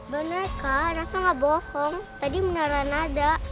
bener kak rafa nggak bohong tadi beneran ada